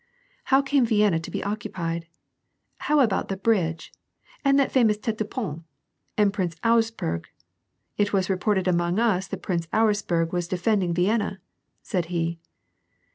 " How came Vienna to be occupied ? How about the bridge and that famous tete de ponty and Prince Auersj^erg ? It was reported among us that Prince Auersperg was defending ViiMina," said he.